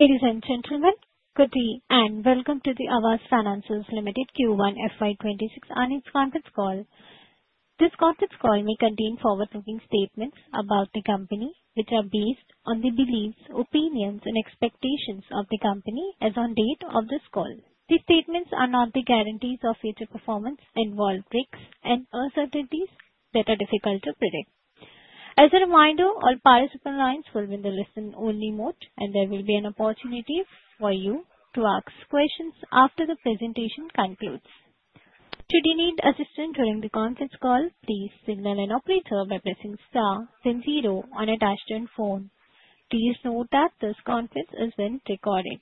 Ladies and gentlemen, good evening and welcome to the Aavas Financiers Limited Q1 FY 2026 Earnings Conference Call. This conference call may contain forward-looking statements about the company, which are based on the beliefs, opinions, and expectations of the company as on date of this call. These statements are not the guarantees of future performance and involve risks and uncertainties that are difficult to predict. As a reminder, all participant lines will be in the listen-only mode, and there will be an opportunity for you to ask questions after the presentation concludes. Should you need assistance during the conference call, please signal an operator by pressing star, then zero on a touch-tone phone. Please note that this conference is being recorded.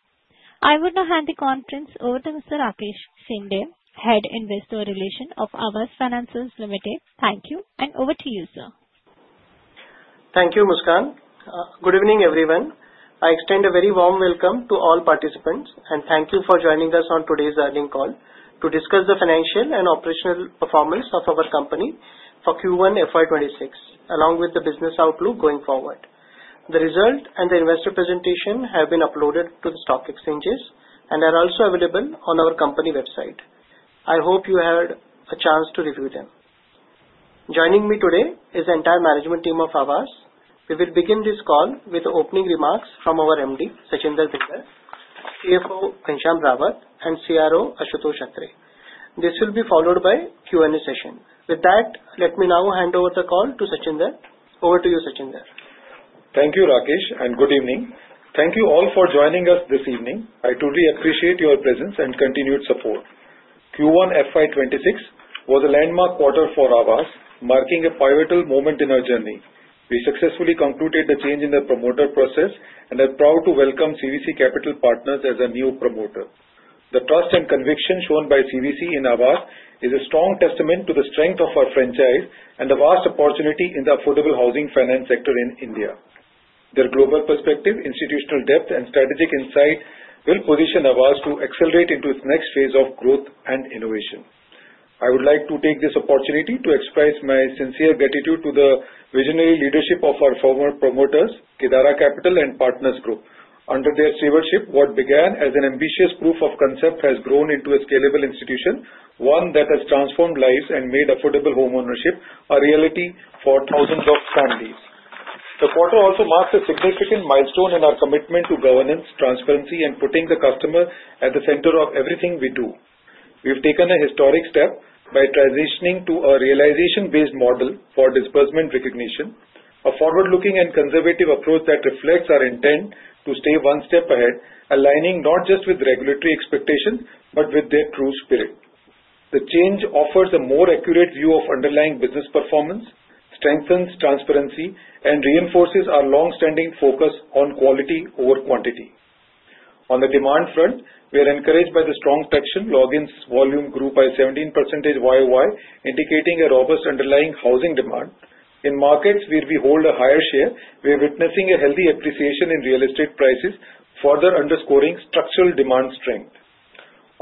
I would now hand the conference over to Mr. Rakesh Shinde, Head of Investor Relations of Aavas Financiers Limited. Thank you, and over to you, sir. Thank you, Muskan. Good evening, everyone. I extend a very warm welcome to all participants, and thank you for joining us on today's earnings call to discuss the financial and operational performance of our company for Q1 FY 2026, along with the business outlook going forward. The results and the investor presentation have been uploaded to the stock exchanges and are also available on our company website. I hope you had a chance to review them. Joining me today is the entire management team of Aavas. We will begin this call with the opening remarks from our MD, Sachinder Bhinder, CFO, Ghanshyam Rawat, and CRO, Ashutosh Atre. This will be followed by a Q&A session. With that, let me now hand over the call to Sachinder. Over to you, Sachinder. Thank you, Rakesh, and good evening. Thank you all for joining us this evening. I truly appreciate your presence and continued support. Q1 FY2026 was a landmark quarter for Aavas, marking a pivotal moment in our journey. We successfully concluded a change in the promoter process and are proud to welcome CVC Capital Partners as our new promoter. The trust and conviction shown by CVC in Aavas is a strong testament to the strength of our franchise and the vast opportunity in the affordable housing finance sector in India. Their global perspective, institutional depth, and strategic insight will position Aavas to accelerate into its next phase of growth and innovation. I would like to take this opportunity to express my sincere gratitude to the visionary leadership of our former promoters, Kedaara Capital and Partners Group. Under their stewardship, what began as an ambitious proof of concept has grown into a scalable institution, one that has transformed lives and made affordable homeownership a reality for thousands of families. The quarter also marks a significant milestone in our commitment to governance, transparency, and putting the customer at the center of everything we do. We've taken a historic step by transitioning to a realization-based model for disbursement recognition, a forward-looking and conservative approach that reflects our intent to stay one step ahead, aligning not just with regulatory expectations but with their true spirit. The change offers a more accurate view of underlying business performance, strengthens transparency, and reinforces our long-standing focus on quality over quantity. On the demand front, we are encouraged by the strong traction, login volume grew by 17% YoY, indicating a robust underlying housing demand. In markets where we hold a higher share, we are witnessing a healthy appreciation in real estate prices, further underscoring structural demand strength.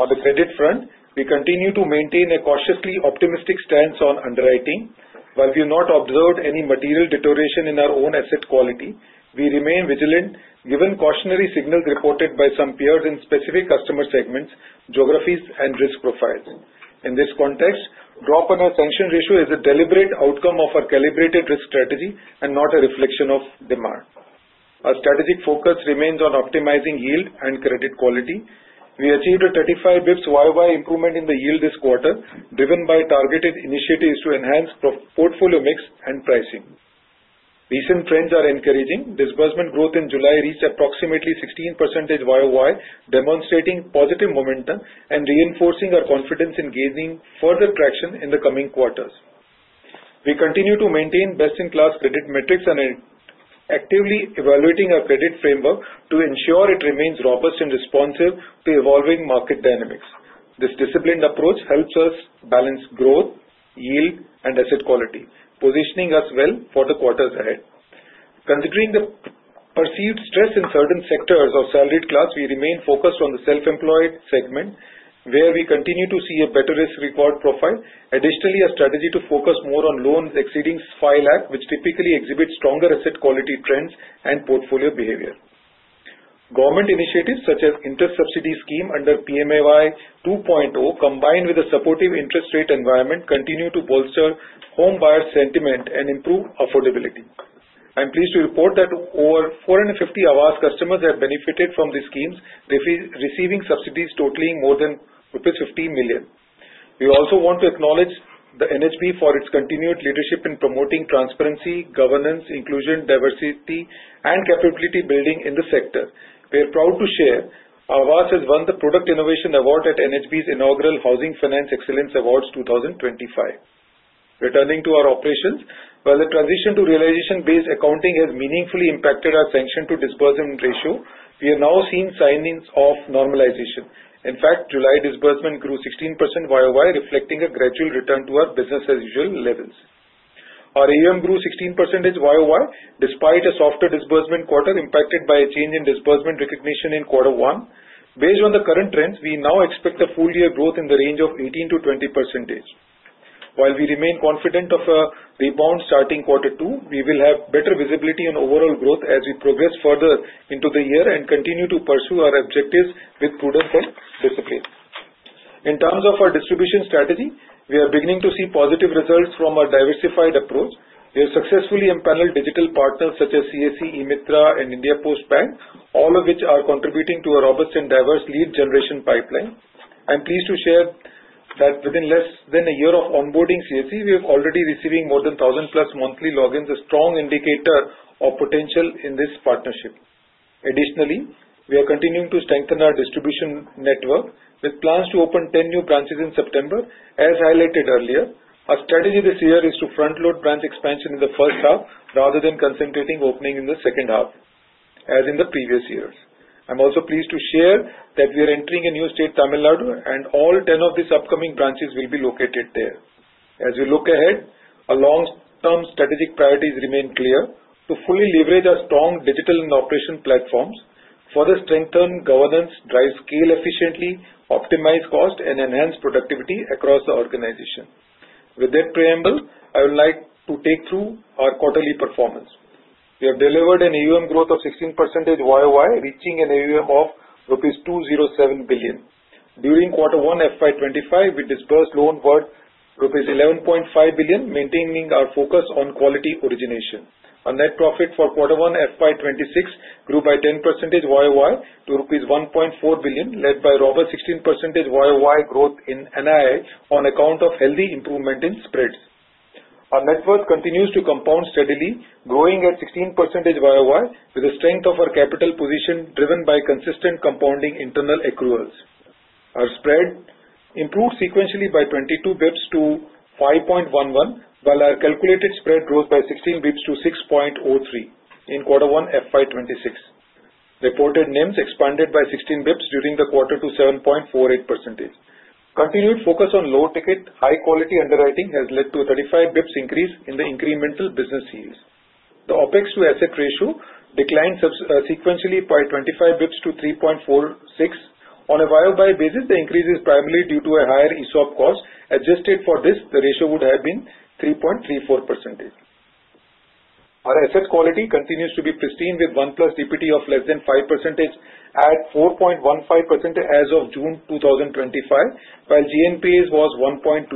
On the credit front, we continue to maintain a cautiously optimistic stance on underwriting. While we have not observed any material deterioration in our own asset quality, we remain vigilant given cautionary signals reported by some peers in specific customer segments, geographies, and risk profiles. In this context, the drop in our function ratio is a deliberate outcome of our calibrated risk strategy and not a reflection of demand. Our strategic focus remains on optimizing yield and credit quality. We achieved a 35 basis points YoY improvement in the yield this quarter, driven by targeted initiatives to enhance portfolio mix and pricing. Recent trends are encouraging. Disbursement growth in July reached approximately 16% YoY, demonstrating positive momentum and reinforcing our confidence in gaining further traction in the coming quarters. We continue to maintain best-in-class credit metrics and are actively evaluating our credit framework to ensure it remains robust and responsive to evolving market dynamics. This disciplined approach helps us balance growth, yield, and asset quality, positioning us well for the quarters ahead. Considering the perceived stress in certain sectors of the salaried class, we remain focused on the self-employed segment, where we continue to see a better risk-reward profile. Additionally, our strategy focuses more on loans exceeding 5 lakh, which typically exhibit stronger asset quality trends and portfolio behavior. Government initiatives such as the interest subsidy scheme under PMAY 2.0, combined with a supportive interest rate environment, continue to bolster home buyer sentiment and improve affordability. I am pleased to report that over 450 Aavas customers have benefited from these schemes, receiving subsidies totaling more than rupees 15 million. We also want to acknowledge the NHB for its continued leadership in promoting transparency, governance, inclusion, diversity, and capability building in the sector. We are proud to share Aavas has won the Product Innovation Award at the NHB's inaugural Housing Finance Excellence Awards 2025. Returning to our operations, while the transition to realization-based accounting has meaningfully impacted our sanction-to-disbursement ratio, we are now seeing signs of normalization. In fact, July disbursement grew 16% YoY, reflecting a gradual return to our business-as-usual levels. Our AUM grew 16% YoY, despite a softer disbursement quarter impacted by a change in disbursement recognition in quarter one. Based on the current trends, we now expect a full-year growth in the range of 18%-20%. While we remain confident of a rebound starting quarter two, we will have better visibility on overall growth as we progress further into the year and continue to pursue our objectives with prudent discipline. In terms of our distribution strategy, we are beginning to see positive results from our diversified approach. We have successfully empaneled digital partners such as CAC, E-Mitra, and India Post Payments Bank, all of which are contributing to a robust and diverse lead generation pipeline. I am pleased to share that within less than a year of onboarding CAC, we are already receiving more than 1,000 monthly logins, a strong indicator of potential in this partnership. Additionally, we are continuing to strengthen our distribution network with plans to open 10 new branches in September. As highlighted earlier, our strategy this year is to front-load branch expansion in the first half rather than concentrating opening in the second half, as in the previous years. I am also pleased to share that we are entering a new state in Tamil Nadu, and all 10 of these upcoming branches will be located there. As we look ahead, our long-term strategic priorities remain clear: to fully leverage our strong digital and operation platforms, further strengthen governance, drive scale efficiently, optimize cost, and enhance productivity across the organization. With that preamble, I would like to take you through our quarterly performance. We have delivered an AUM growth of 16% YoY, reaching an AUM of rupees 207 billion. During quarter one, FY 2025, we disbursed loans worth rupees 11.5 billion, maintaining our focus on quality origination. Our net profits for quarter one, FY 2025, grew by 10% YoY to rupees 1.4 billion, led by robust 16% YO\oY growth in NII on account of healthy improvement in spreads. Our net worth continues to compound steadily, growing at 16% YoY with the strength of our capital position, driven by consistent compounding internal accruals. Our spread improved sequentially by 22 basis points to 5.11, while our calculated spread grew by 16 basis points to 6.03 in quarter one, FY 2025. Reported NIMs expanded by 16 basis points during the quarter to 7.48%. Continued focus on low-ticket, high-quality underwriting has led to a 35 basis points increase in the incremental business yields. The OpEx to asset ratio declined sequentially by 25 basis points to 3.46%. On a YoY basis, the increase is primarily due to a higher ESOP cost. Adjusted for this, the ratio would have been 3.34%. Our asset quality continues to be pristine with one plus DPD of less than 5% at 4.15% as of June 2025, while GNPA was 1.22%.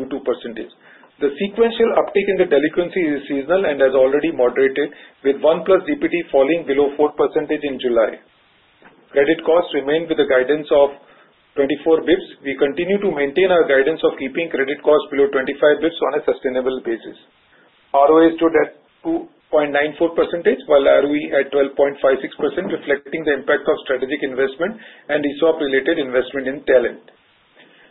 The sequential uptick in the delinquency is seasonal and has already moderated, with one plus DPD falling below 4% in July. Credit costs remain with a guidance of 24 basis points. We continue to maintain our guidance of keeping credit costs below 25 basis points on a sustainable basis. ROA stood at 2.94%, while ROE at 12.56%, reflecting the impact of strategic investment and ESOP-related investment in talent.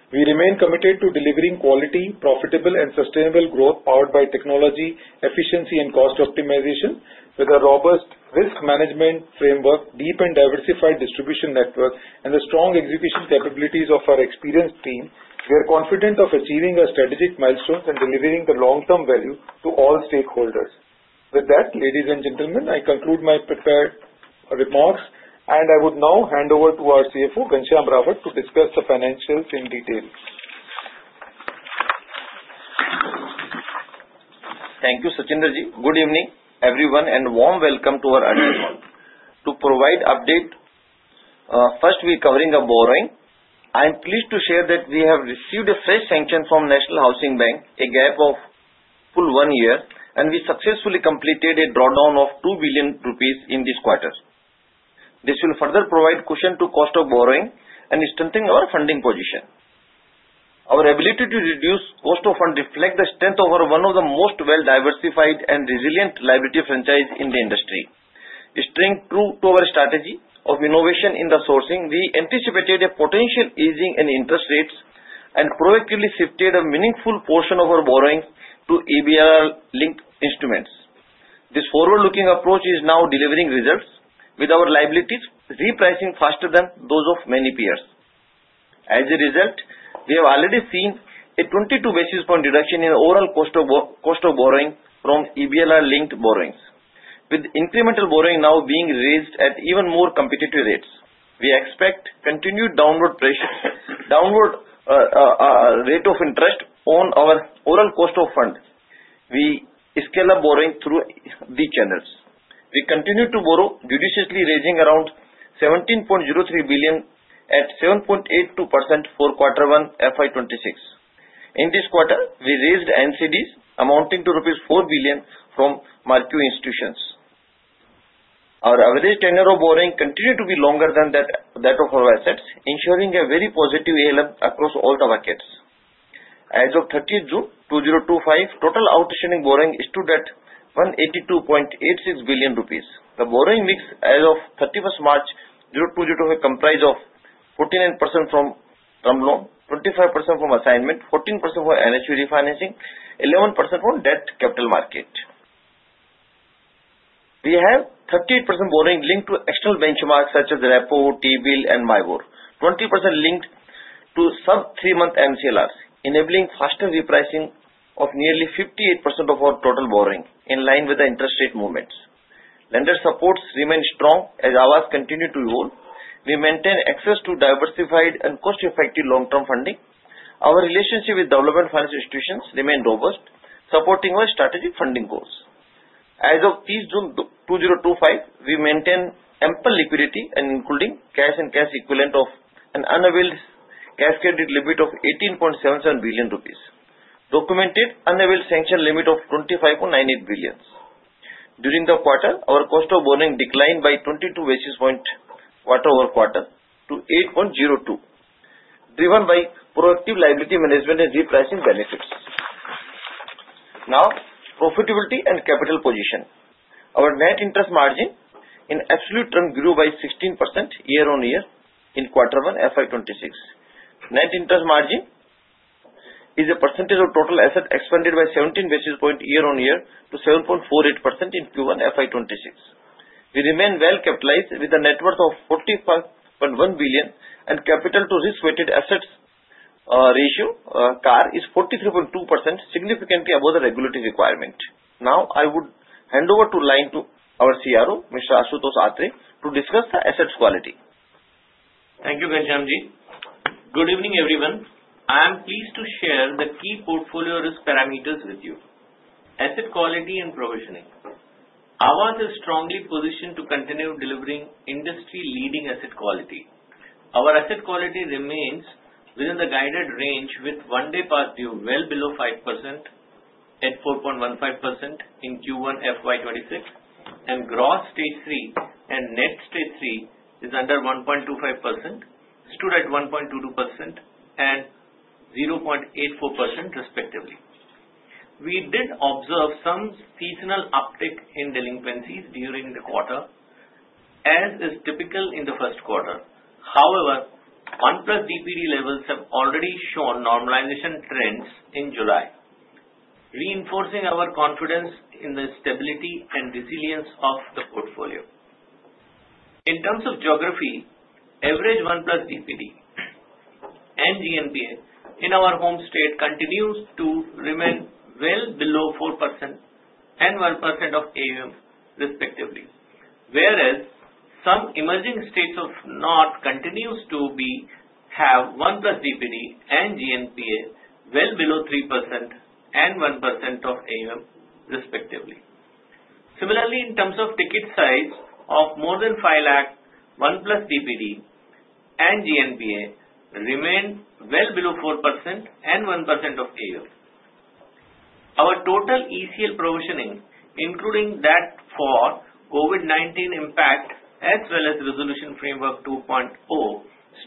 We remain committed to delivering quality, profitable, and sustainable growth powered by technology, efficiency, and cost optimization. With a robust risk management framework, deep and diversified distribution network, and the strong execution capabilities of our experienced team, we are confident of achieving our strategic milestones and delivering the long-term value to all stakeholders. With that, ladies and gentlemen, I conclude my prepared remarks, and I would now hand over to our CFO, Ghanshyam Rawat, to discuss the financials in detail. Thank you, Sachinder Ji. Good evening, everyone, and warm welcome to our annual report. To provide updates, first, we are covering a borrowing. I am pleased to share that we have received a fresh sanction from National Housing Bank, a gap of a full one year, and we successfully completed a drawdown of 2 billion rupees in this quarter. This will further provide cushion to cost of borrowing and strengthen our funding position. Our ability to reduce cost of funds reflects the strength of our one of the most well-diversified and resilient liability franchises in the industry. We stayed true to our strategy of innovation in the sourcing. We anticipated a potential easing in interest rates and proactively shifted a meaningful portion of our borrowings to EBL-linked instruments. This forward-looking approach is now delivering results, with our liabilities repricing faster than those of many peers. As a result, we have already seen a 22 basis points reduction in the overall cost of borrowing from EBL-linked borrowings, with incremental borrowing now being raised at even more competitive rates. We expect continued downward rates of interest on our overall cost of funds. We scale up borrowing through these channels. We continue to borrow, judiciously raising around INR 17.03 billion at 7.82% for quarter one, FY26. In this quarter, we raised NCDs amounting to rupees 4 billion from marquee institutions. Our average tenure of borrowing continues to be longer than that of our assets, ensuring a very positive ALM across all the markets. As of 30th June 2025, total outstanding borrowing stood at 182.86 billion rupees. The borrowing mix as of 31st March, 2022 comprised of 49% from term loan, 25% from assignment, 14% for NHB refinancing, 11% on debt capital market. We have 38% borrowing linked to external benchmarks such as REPO, TBIL, and MYBOR, 20% linked to sub-three-month MCLR, enabling faster repricing of nearly 58% of our total borrowing, in line with the interest rate movements. Lender supports remain strong as Aavas continues to evolve. We maintain access to diversified and cost-effective long-term funding. Our relationship with development finance institutions remains robust, supporting our strategic funding goals. As of 30th June 2025, we maintain ample liquidity and including cash and cash equivalent of an unavailed cascaded limit of INR 18.77 billion, documented unavailed sanction limit of INR 25.98 billion. During the quarter, our cost of borrowing declined by 22 basis points quarter over quarter to 8.02%, driven by proactive liability management and repricing benefits. Now, profitability and capital position. Our net interest margin in absolute term grew by 16% year-on-year in quarter one, FY 2026. Net interest margin as a percentage of total asset expanded by 17 basis points year on year to 7.48% in Q1, FY 2026. We remain well capitalized with a net worth of 45.1 billion, and capital to risk-weighted assets ratio CAR is 43.2%, significantly above the regulatory requirement. Now, I would hand over to our CRO, Mr. Ashutosh Atre, to discuss the asset's quality. Thank you, Ghanshyam Ji. Good evening, everyone. I am pleased to share the key portfolio risk parameters with you: asset quality and provisioning. Aavas is strongly positioned to continue delivering industry-leading asset quality. Our asset quality remains within the guided range with one-day past-due well below 5% at 4.15% in Q1, FY 2026, and gross stage III and net stage III is under 1.25%, stood at 1.22% and 0.84%, respectively. We did observe some seasonal uptick in delinquencies during the quarter, as is typical in the first quarter. However, one plus DPD levels have already shown normalization trends in July, reinforcing our confidence in the stability and resilience of the portfolio. In terms of geography, average one plus DPD and GNP in our home state continues to remain well below 4% and 1% of AUM, respectively, whereas some emerging states of the North continue to have one plus DPD and GNP well below 3% and 1% of AUM, respectively. Similarly, in terms of ticket size of more than 500,000, one plus DPD and GNP remain well below 4% and 1% of AUM. Our total ECL provisioning, including that for COVID-19 impacts as well as resolution framework 2.0,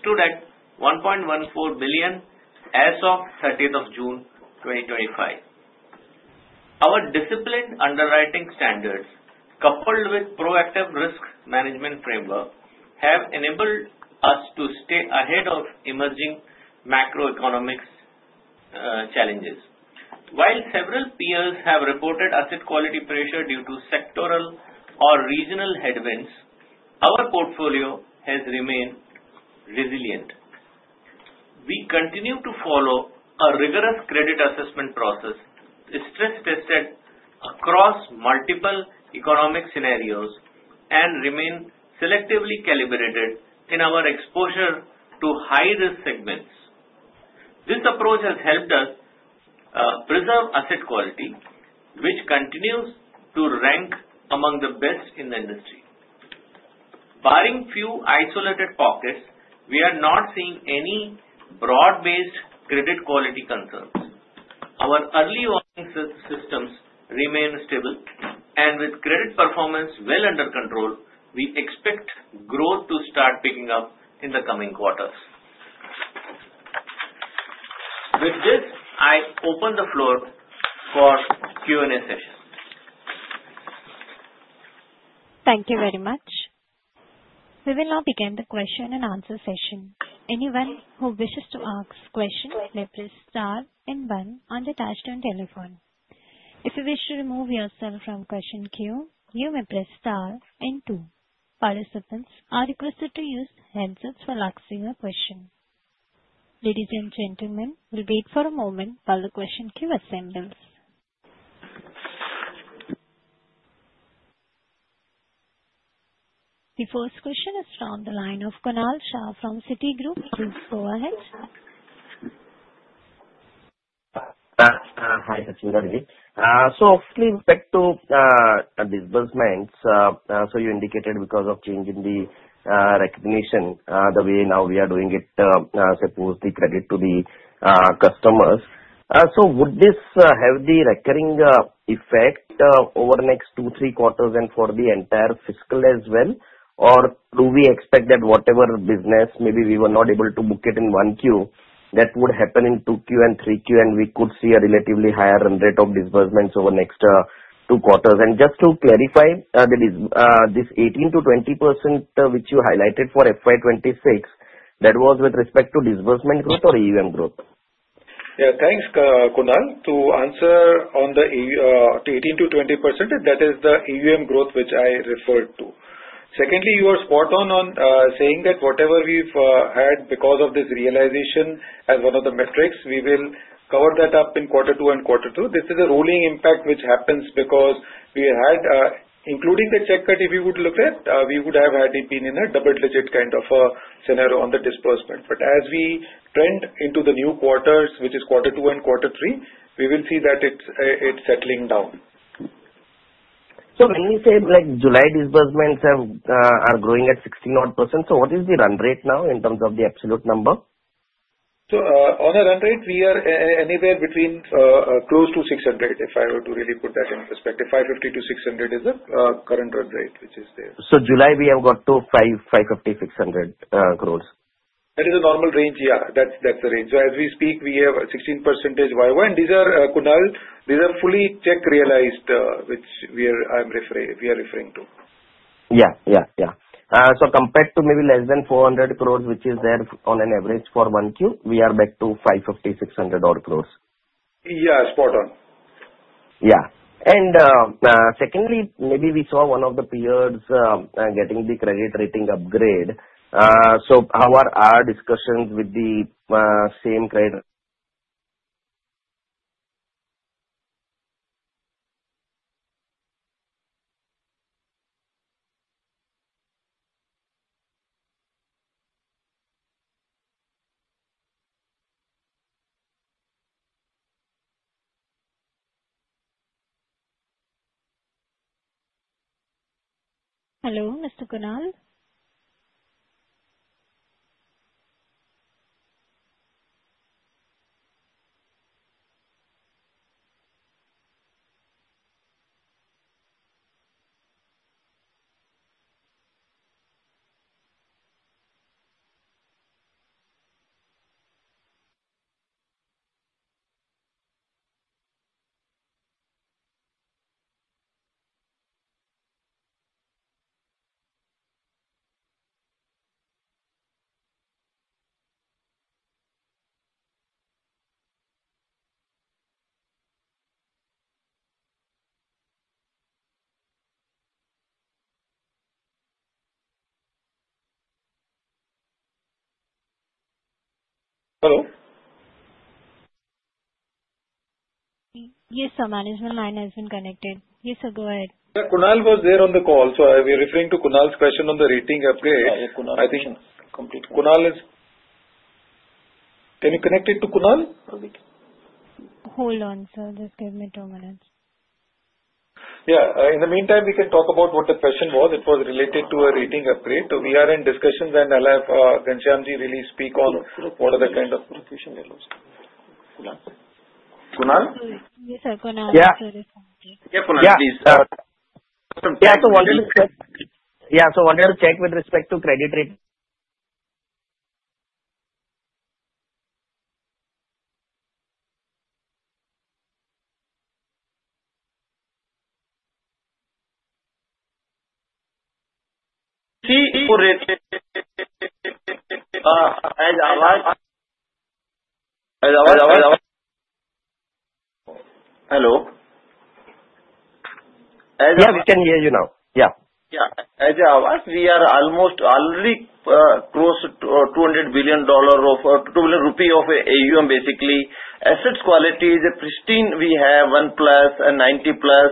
stood at 1.14 billion as of June 30, 2025. Our disciplined underwriting standards, coupled with proactive risk management framework, have enabled us to stay ahead of emerging macroeconomic challenges. While several peers have reported asset quality pressure due to sectoral or regional headwinds, our portfolio has remained resilient. We continue to follow a rigorous credit assessment process, stress-tested across multiple economic scenarios, and remain selectively calibrated in our exposure to high-risk segments. This approach has helped us preserve asset quality, which continues to rank among the best in the industry. Barring few isolated pockets, we are not seeing any broad-based credit quality concerns. Our early warning systems remain stable, and with credit performance well under control, we expect growth to start picking up in the coming quarters. With this, I open the floor for Q&A session. Thank you very much. We will now begin the question and answer session. Anyone who wishes to ask a question may press star and one on the touchtone telephone. If you wish to remove yourself from the question queue, you may press star and two. Participants are requested to use hands up for asking a question. Ladies and gentlemen, we'll wait for a moment while the question queue assembles. The first question is from the line of Kunal Shah from Citigroup. Please go ahead. Hi, Sachinder Ji. Of the impact of disbursements, you indicated because of change in the recognition, the way now we are doing it, suppose the credit to the customers. Would this have the recurring effect over the next two, three quarters and for the entire fiscal as well? Do we expect that whatever business maybe we were not able to book in one quarter, that would happen in two quarters and three quarters, and we could see a relatively higher rate of disbursements over the next two quarters? Just to clarify, this 18%-20% which you highlighted for FY 2026, that was with respect to disbursement growth or AUM growth? Yeah, thanks, Kunal. To answer on the 18%-20%, that is the AUM growth which I referred to. Secondly, you are spot on on saying that whatever we've had because of this realization as one of the metrics, we will cover that up in quarter two and quarter three. This is a rolling impact which happens because we had, including the check that if we would look at, we would have had a double-digit kind of scenario on the disbursement. As we trend into the new quarters, which is quarter two and quarter three, we will see that it's settling down. When you say July disbursements are growing at 16% odd, what is the run rate now in terms of the absolute number? On a run rate, we are anywhere between close to 600 million, if I were to really put that in perspective. 550 million to 600 million is the current run rate which is there. In July, we have got to 550- 600 crore. That is a normal range, yeah. That's the range. As we speak, we have 16% YoY. These are, Kunal, these are fully check-realized which we are referring to. Yeah. Compared to maybe less than 400 crore, which is there on an average for one quarter, we are back to 550- 600 [or close]. Yeah, spot on. Yeah. Secondly, maybe we saw one of the peers getting the credit rating upgrade. How are our discussions with the same credit? Hello, Mr. Kunal? Yes, our management line has been connected. Yes, sir, go ahead. Sir, Kunal was there on the call. Are we referring to Kunal's question on the credit rating upgrade? Yeah, yeah, Kunal is. Can you connect it to Kunal? Hold on, sir. Just give me two minutes. Yeah, in the meantime, we can talk about what the question was. It was related to a credit rating upgrade. We are in discussions, and I'll have Ghanshyam Ji really speak on what are the kind of questions. Yes, sir. Kunal, please. One other check with respect to credit rating. deliver value to all stakeholders. Yeah, we can hear you now. Yeah. As Aavas, we are almost already close to INR 200 billion of AUM, basically. Asset quality is pristine. We have one plus and 90 plus.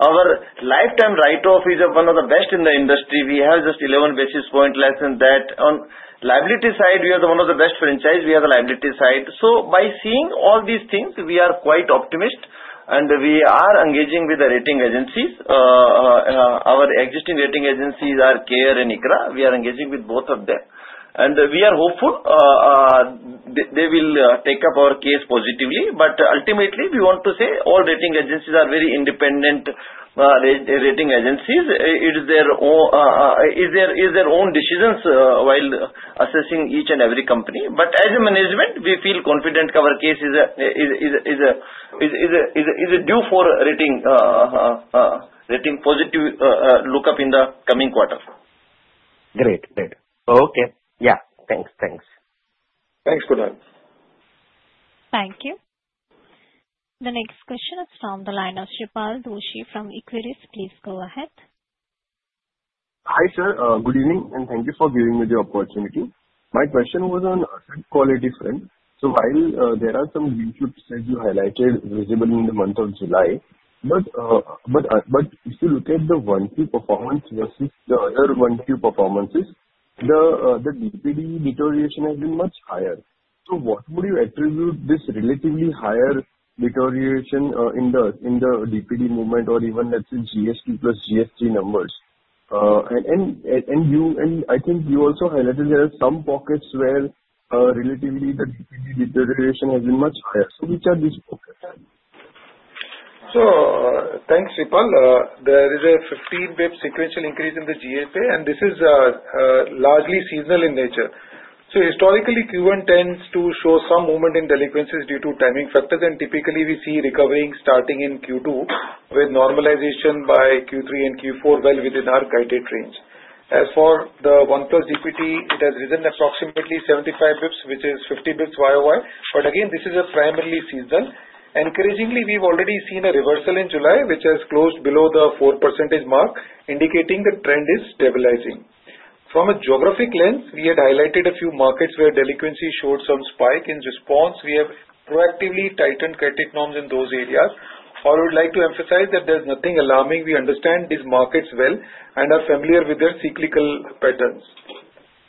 Our lifetime write-off is one of the best in the industry. We have just 11 basis points less than that. On the liability side, we are one of the best franchises. We have the liability side. By seeing all these things, we are quite optimistic, and we are engaging with the rating agencies. Our existing rating agencies are CARE and ICRA. We are engaging with both of them. We are hopeful they will take up our case positively. Ultimately, we want to say all rating agencies are very independent rating agencies. It is their own decisions while assessing each and every company. As a management, we feel confident our case is due for a rating positive lookup in the coming quarter. Great, great. Okay. Yeah, thanks, thanks. Thanks, Kunal. Thank you. The next question is from the line of Shreepal Doshi from Equiris. Please go ahead. Hi, sir. Good evening, and thank you for giving me the opportunity. My question was on asset quality trends. While there are some weak looks as you highlighted visible in the month of July, if you look at the one-key performance, your sixth year one-key performances, the DPD deterioration has been much higher. What would you attribute this relatively higher deterioration in the DPD movement or even, let's say, GST plus GST numbers? I think you also highlighted there are some pockets where relatively the deterioration has been much higher. Which are these? Thanks, Shepal. There is a 15 basis points sequential increase in the GSA, and this is largely seasonal in nature. Historically, Q1 tends to show some movement in delinquencies due to timing factors, and typically, we see recovery starting in Q2 with normalization by Q3 and Q4 well within our guided range. As for the one plus DPD, it has risen approximately 75 basis points, which is 50 basis points YoY. Again, this is primarily seasonal. Encouragingly, we've already seen a reversal in July, which has closed below the 4% mark, indicating the trend is stabilizing. From a geographic lens, we had highlighted a few markets where delinquency showed some spike in response. We have proactively tightened credit norms in those areas. I would like to emphasize that there's nothing alarming. We understand these markets well and are familiar with their cyclical patterns.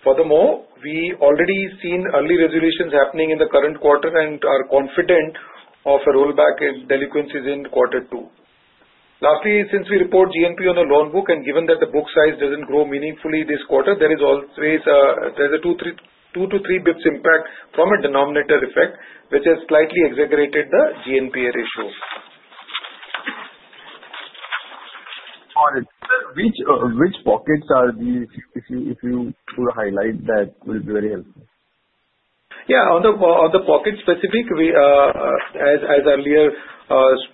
Furthermore, we've already seen early resolutions happening in the current quarter and are confident of a rollback in delinquencies in quarter two. Lastly, since we report GNP on the loan book, and given that the book size doesn't grow meaningfully this quarter, there is always a two to three basis points impact from a denominator effect, which has slightly exaggerated the GNP ratio. Got it. Which pockets are the, if you could highlight, that would be very helpful. Yeah, on the pocket specific, as earlier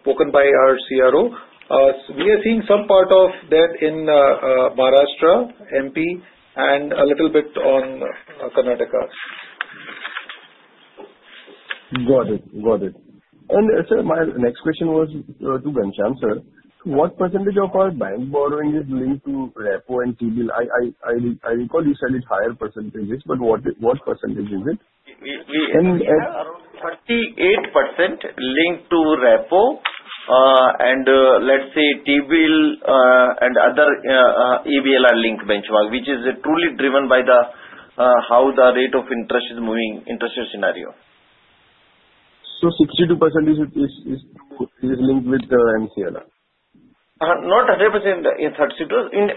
spoken by our CRO, we are seeing some part of that in Maharashtra, MP, and a little bit on Karnataka. Got it. Got it. Sir, my next question was to Ghanshyam sir, what percentage of our bank borrowing is linked to REPO and TBIL? I recall you said it's higher percentages, but what percentage is it? We are around 38% linked to REPO, and let's say TBIL and other EBL-linked benchmarks, which is truly driven by how the rate of interest is moving, interest rate scenario. Is 62% linked with the MCLR? Not 100%.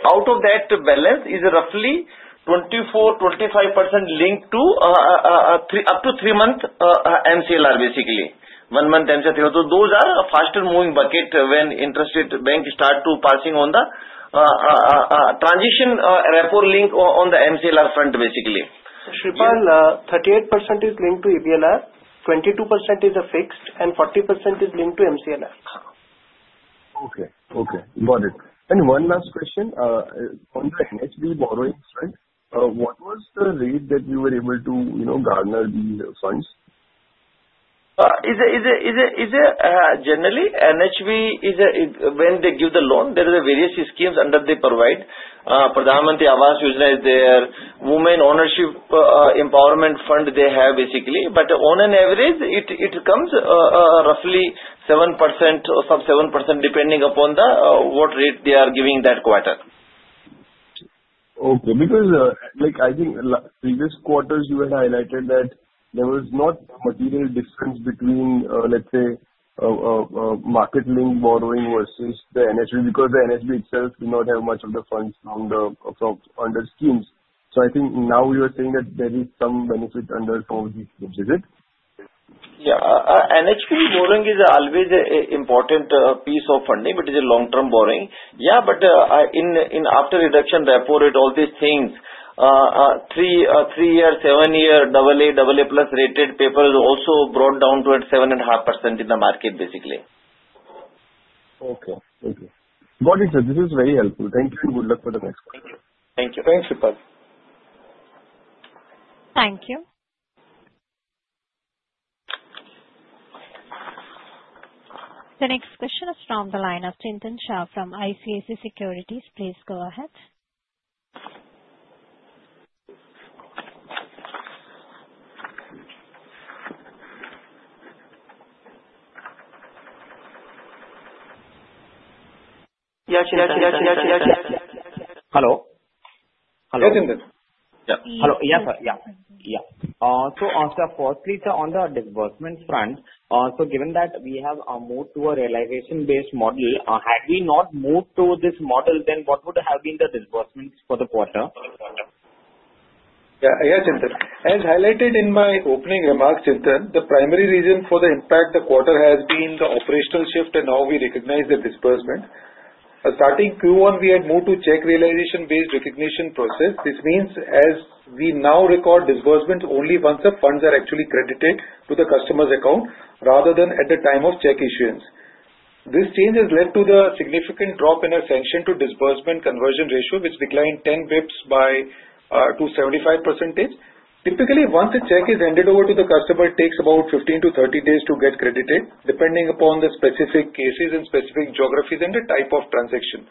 Out of that balance, it's roughly 24%, 25% linked to up to three months MCLR, basically. One month MCLR. Those are faster moving buckets when interest rate banks start to pass on the transition, REPO link on the MCLR front, basically. Shreepal, 38% is linked to EBLR, 22% is fixed, and 40% is linked to MCLR. Okay. Okay. Got it. One last question. On the NHB borrowing front, what was the rate that you were able to, you know, garner these funds? NHB is a, when they give the loan, there are various schemes under they provide. [PMAY] is there, Women Ownership Empowerment Fund they have, basically. On an average, it comes roughly 7% or sub 7% depending upon the, what rate they are giving that quarter. Okay, because I think previous quarters you had highlighted that there was not material difference between, let's say, market-linked borrowing versus the NHB because the NHB itself did not have much of the funds from under schemes. I think now you're saying that there is some benefit under all these schemes, is it? NHB borrowing is always an important piece of funding, but it is a long-term borrowing. After reduction reported all these things, three-year, seven-year, AA, AA plus rated papers also brought down to at 7.5% in the market, basically. Okay. Okay. Got it, sir. This is very helpful. Thank you. Good luck for the next one. Thank you. Thanks, Shreepal. Thank you. The next question is from the line of Chintan Shah from ICICI Securities. Please go ahead. Hello. Hello. Yes, sir. Yeah. Hello. Yes, sir. Yeah. Yeah. On the disbursement front, given that we have moved to a realization-based model, had we not moved to this model, what would have been the disbursements for the quarter? Yeah, Chintan Ji. As highlighted in my opening remarks, Chintan, the primary reason for the impact this quarter has been the operational shift, and now we recognize the disbursement. Starting Q1, we had moved to check realization-based recognition process. This means as we now record disbursement only once the funds are actually credited to the customer's account rather than at the time of check issuance. This change has led to the significant drop in our sanction-to-disbursement conversion ratio, which declined 10 basis points to 75%. Typically, once a check is handed over to the customer, it takes about 15-30 days to get credited, depending upon the specific cases and specific geographies and the type of transaction.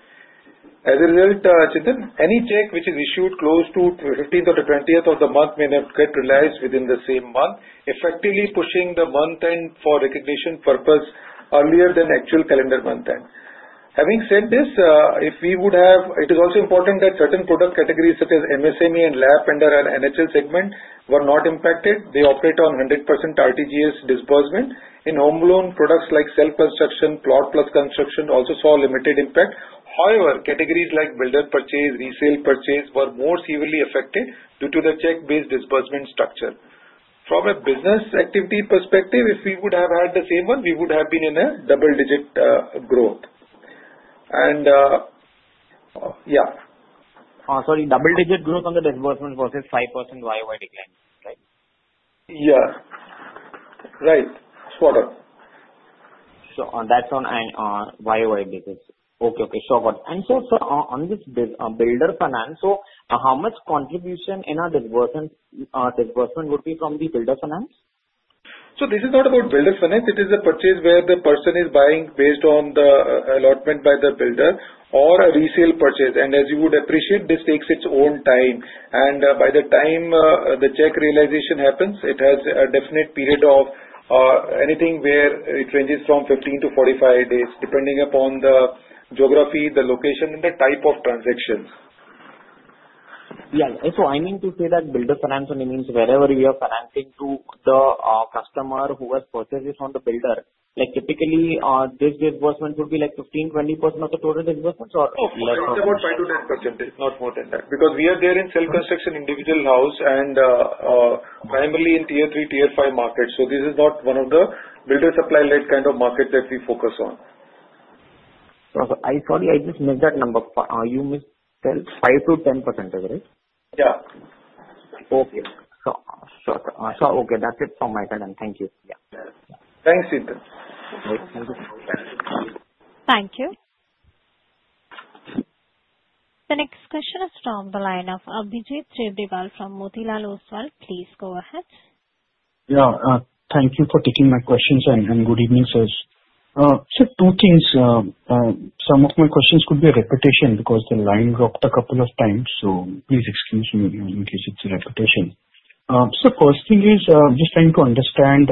As a result, Chintan Ji, any check which is issued close to the 15th or the 20th of the month may not get realized within the same month, effectively pushing the month end for recognition purpose earlier than actual calendar month end. Having said this, it is also important that certain product categories such as MSME and lab vendor and NHL segment were not impacted. They operate on 100% RTGS disbursement. In home loan products like self-construction, plot plus construction also saw limited impact. However, categories like builder purchase, resale purchase were more severely affected due to the check-based disbursement structure. From a business activity perspective, if we would have had the same one, we would have been in a double-digit growth. Yeah. Sorry, double-digit growth on the disbursement versus 5% YoY decline, right? Yeah, right. Spot on. That's on YoY basis. Okay. Sure. Got it. Sir, on this builder finance, how much contribution in our disbursement would be from the builder finance? This is not about builder finance. It is a purchase where the person is buying based on the allotment by the builder or a resale purchase. As you would appreciate, this takes its own time, and by the time the check realization happens, it has a definite period of anything where it ranges from 15-45 days, depending upon the geography, the location, and the type of transactions. Yeah, I mean to say that builder finance only means wherever you are financing to the customer who has purchased this from the builder. Typically, this disbursement would be like 15%-20% of the total disbursement. It's about 5%-10%, not more than that because we are there in self-construction individual house and primarily in tier three, tier five markets. This is not one of the builder supply-like kind of markets that we focus on. Sorry, I just missed that number. You mean 5% to 10%, right? Yeah. Okay, that's it from my side. Thank you. Yeah. Thanks, Ashutosh. Thank you. The next question is from the line of Abhijit Tibrewal from Motilal Oswal. Please go ahead. Thank you for taking my questions and good evening, sir. Sir, two things. Some of my questions could be a repetition because the line dropped a couple of times. Please excuse me in case it's a repetition. The first thing is just trying to understand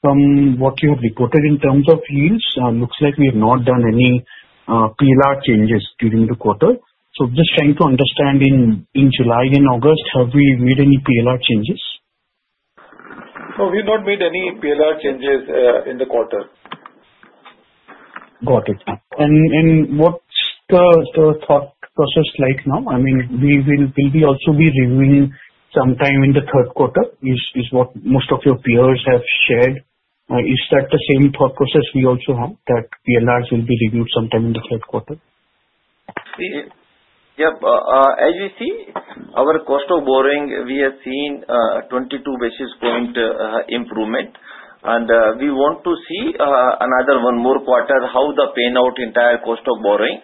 from what you have reported in terms of yields, it looks like we have not done any PLR changes during the quarter. Just trying to understand in July and August, have we made any PLR changes? We have not made any PLR changes in the quarter. Got it. What's the thought process like now? I mean, will we also be reviewing sometime in the third quarter, as most of your peers have shared? Is that the same thought process we also have, that PLRs will be reviewed sometime in the third quarter? Yeah. As you see, our cost of borrowing, we have seen a 22 basis point improvement. We want to see another one more quarter how the payout entire cost of borrowing.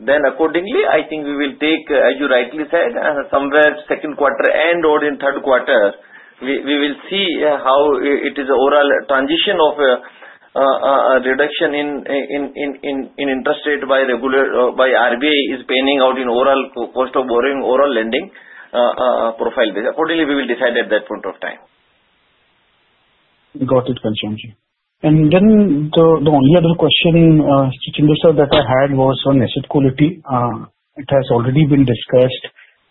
Accordingly, I think we will take, as you rightly said, somewhere second quarter and/or in third quarter, we will see how it is an overall transition of a reduction in interest rate by regular by RBI is paying out in overall cost of borrowing, overall lending profile base. Accordingly, we will decide at that point of time. Got it, Ansham Ji. The only other question, Sachinder sir, that I had was on asset quality. It has already been discussed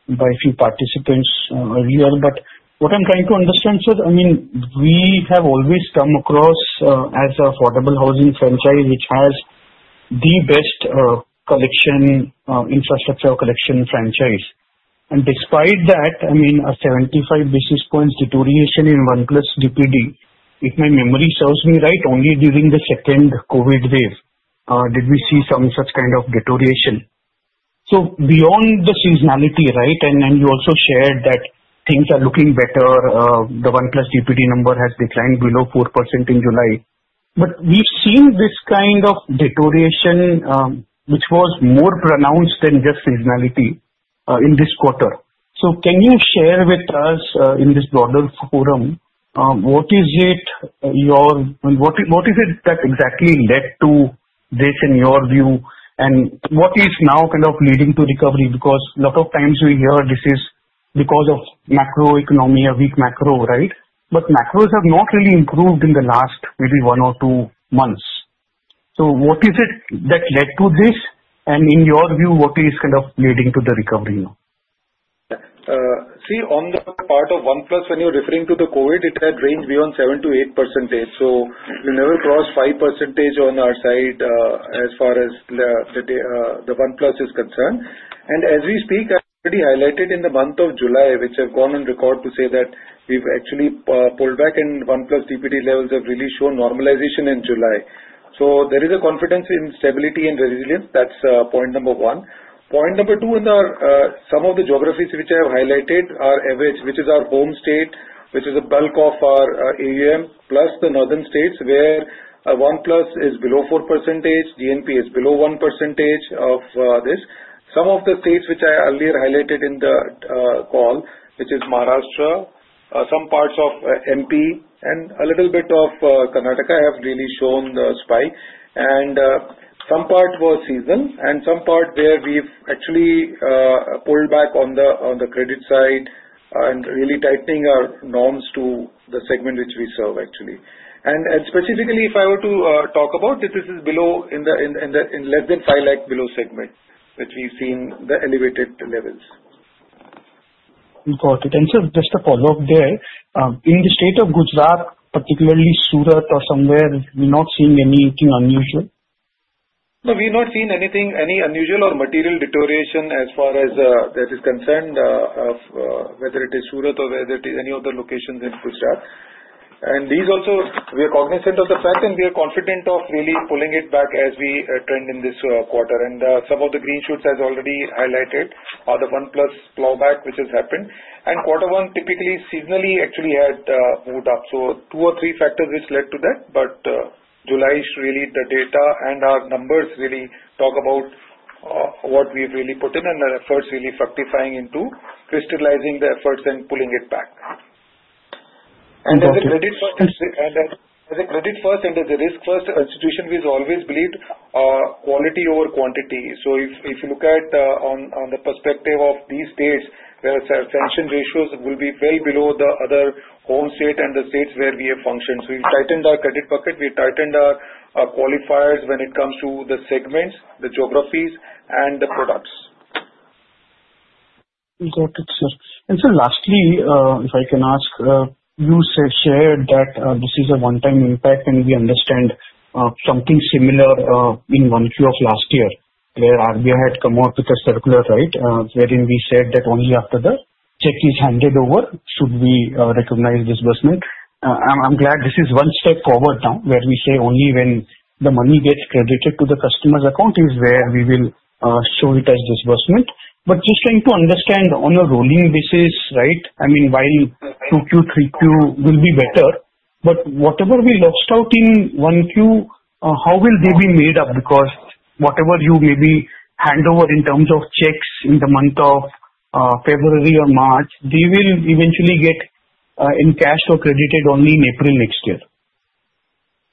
by a few participants earlier. What I'm trying to understand, sir, is we have always come across as an affordable housing franchise, which has the best collection infrastructure or collection franchise. Despite that, a 75 basis points deterioration in one plus DPD, if my memory serves me right, only during the second COVID wave did we see some such kind of deterioration. Beyond the seasonality, right, and you also shared that things are looking better. The one plus DPD number has declined below 4% in July. We've seen this kind of deterioration, which was more pronounced than just seasonality, in this quarter. Can you share with us in this broader forum what is it that exactly led to this in your view, and what is now kind of leading to recovery? A lot of times we hear this is because of macroeconomy, a weak macro, right? Macros have not really improved in the last maybe one or two months. What is it that led to this? In your view, what is kind of leading to the recovery now? See, on the part of one plus, when you're referring to the COVID, it had ranged beyond 7%-8%. We never crossed 5% on our side as far as the one plus is concerned. As we speak, I already highlighted in the month of July, which I've gone and recorded to say that we've actually pulled back in one plus DPD levels have really shown normalization in July. There is a confidence in stability and resilience. That's point number one. Point number two, in some of the geographies which I have highlighted, our average, which is our home state, which is a bulk of our AUM, plus the northern states where one plus is below 4%, GNP is below 1% of this. Some of the states which I earlier highlighted in the call, which is Maharashtra, some parts of MP, and a little bit of Karnataka, have really shown the spike. Some part was seasonal, and some part where we've actually pulled back on the credit side and really tightening our norms to the segment which we serve, actually. Specifically, if I were to talk about it, this is below in the less than 500,000 below segment, which we've seen the elevated levels. Got it. Sir, just a follow-up there. In the state of Gujarat, particularly Surat or somewhere, we're not seeing anything unusual? No, we're not seeing anything, any unusual or material deterioration as far as that is concerned, whether it is Surat or whether it is any of the locations in Gujarat. We are cognizant of the fact, and we are confident of really pulling it back as we trend in this quarter. Some of the green shoots, as already highlighted, are the one plus blowback which has happened. Quarter one typically seasonally actually had moved up. There are two or three factors which led to that. July is really the data, and our numbers really talk about what we've really put in and our efforts really fructifying into crystallizing the efforts and pulling it back. As a credit first and as a risk first institution, we always believe quality over quantity. If you look at it from the perspective of these states, our sanction ratios will be way below the other home states and the states where we have functioned. We have tightened our credit bucket. We have tightened our qualifiers when it comes to the segments, the geographies, and the products. Got it, sir. Lastly, if I can ask, you shared that this is a one-time impact, and we understand something similar in Q1 of last year where RBI had come out with a circular, right, wherein we said that only after the check is handed over should we recognize disbursement. I'm glad this is one step forward now where we say only when the money gets credited to the customer's account is where we will show it as disbursement. Just trying to understand on a rolling basis, while Q2, Q3 will be better, whatever we lost out in Q1, how will that be made up? Because whatever you maybe hand over in terms of checks in the month of February or March, they will eventually get encashed or credited only in April next year.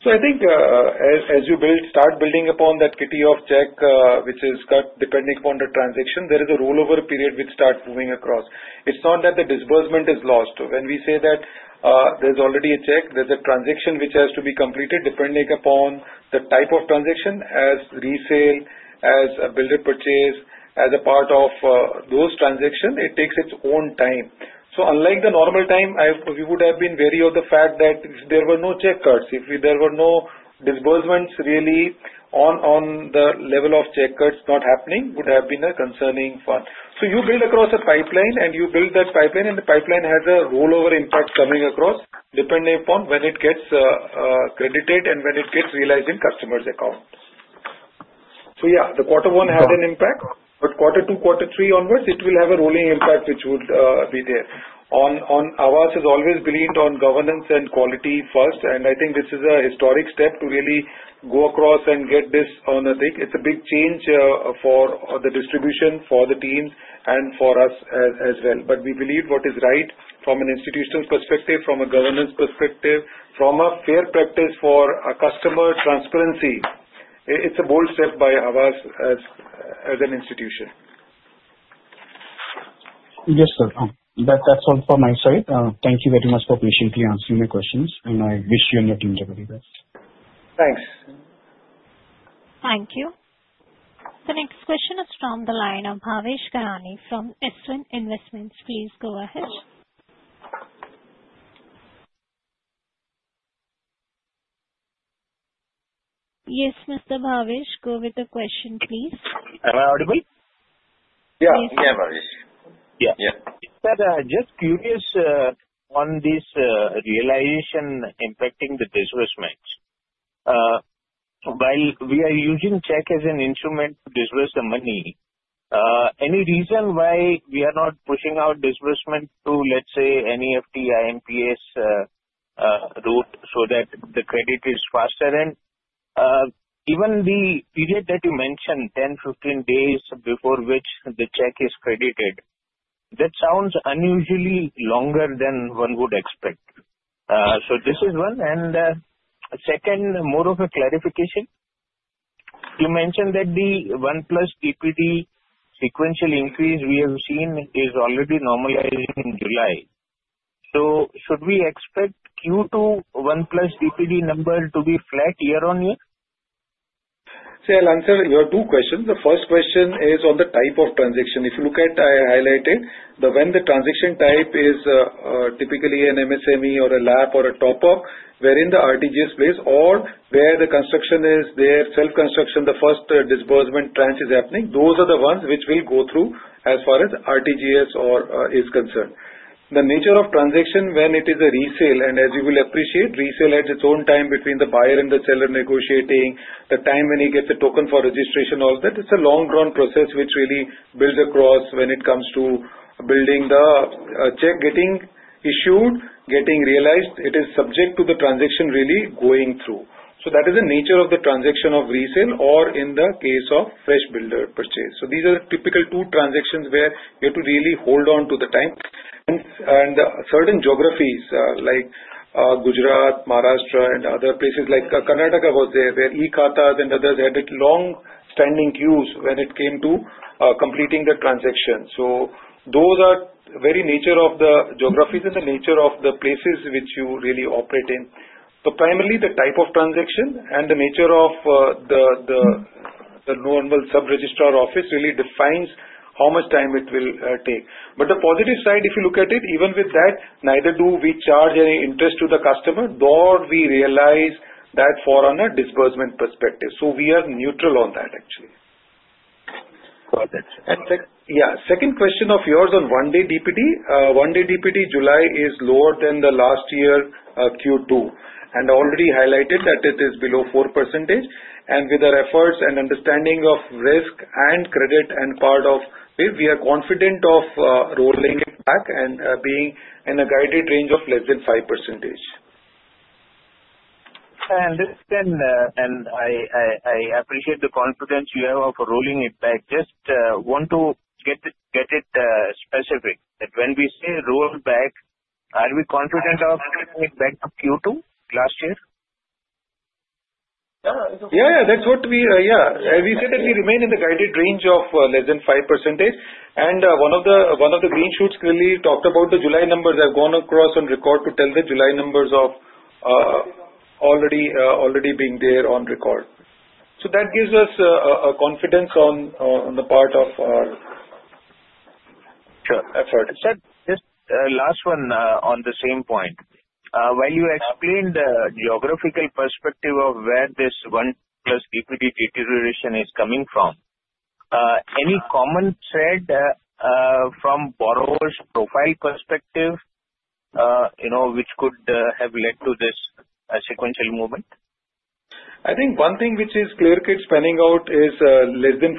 I think as you start building upon that KP of check, which is cut depending upon the transaction, there is a rollover period which starts moving across. It's not that the disbursement is lost. When we say that there's already a check, there's a transaction which has to be completed depending upon the type of transaction, as resale, as a builder purchase, as a part of those transactions, it takes its own time. Unlike the normal time, we would have been wary of the fact that there were no check cuts. If there were no disbursements, really on the level of check cuts not happening would have been a concerning fact. You build across a pipeline, and you build that pipeline, and the pipeline has a rollover impact coming across depending upon when it gets credited and when it gets realized in customer's account. The quarter one had an impact, but quarter two, quarter three onwards, it will have a rolling impact which would be there. Aavas has always believed on governance and quality first, and I think this is a historic step to really go across and get this on a thick. It's a big change for the distribution for the teams and for us as well. We believe what is right from an institutional perspective, from a governance perspective, from a fair practice for a customer transparency, it's a bold step by Aavas as an institution. Yes, sir. That's all from my side. Thank you very much for patiently answering my questions, and I wish you and your team the very best. Thanks. Thank you. The next question is from the line of Bhavesh Kanani from Svan Investments. Please go ahead. Yes, Mr. Bhavesh, go with the question, please. Audible? Yeah, yeah, Bhavesh. Yeah. Yeah. Sir, just curious on this realization impacting the disbursement. While we are using check as an instrument to disburse the money, any reason why we are not pushing out disbursement to, let's say, an EFT, IMPS route so that the credit is faster? The period that you mentioned, 10, 15 days before which the check is credited, that sounds unusually longer than one would expect. This is one. A second, more of a clarification. You mentioned that the one plus DPD sequential increase we have seen is already normalizing in July. Should we expect Q2 one plus DPD number to be flat year-on-year? I'll answer your two questions. The first question is on the type of transaction. If you look at, I highlighted, when the transaction type is typically an MSME or a lab or a top-off, wherein the RTGS plays or where the construction is, their self-construction, the first disbursement tranche is happening, those are the ones which we go through as far as RTGS is concerned. The nature of transaction when it is a resale, and as you will appreciate, resale adds its own time between the buyer and the seller negotiating, the time when he gets a token for registration, all of that. It's a long-drawn process which really builds across when it comes to building the check, getting issued, getting realized. It is subject to the transaction really going through. That is the nature of the transaction of resale or in the case of fresh builder purchase. These are the typical two transactions where you have to really hold on to the time. Certain geographies like Gujarat, Maharashtra, and other places like Karnataka were there where E-Kata and others had long-standing queues when it came to completing the transaction. Those are the very nature of the geographies and the nature of the places which you really operate in. Primarily, the type of transaction and the nature of the normal sub-register office really defines how much time it will take. The positive side, if you look at it, even with that, neither do we charge any interest to the customer, nor we realize that for another disbursement perspective. We are neutral on that, actually. Got it. The second question of yours on one-day DPD. One-day DPD July is lower than the last year Q2. I already highlighted that it is below 4%. With our efforts and understanding of risk and credit and part of, we are confident of rolling it back and being in a guided range of less than 5%. I appreciate the confidence you have of rolling it back. I just want to get it specific that when we say roll back, are we confident of rolling it back to Q2 last year? Yeah, that's what we, yeah. We said that we remain in the guided range of less than 5%. One of the green shoots clearly talked about the July numbers have gone across on record to tell the July numbers of already being there on record. That gives us a confidence on the part of our effort. Sir, just a last one on the same point. When you explained the geographical perspective of where this one plus DPD deterioration is coming from, any common thread from borrowers' profile perspective, you know, which could have led to this sequential movement? I think one thing which is clear cut spanning out is less than 500,000